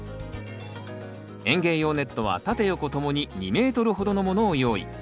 園芸用ネットは縦横ともに２ｍほどのものを用意。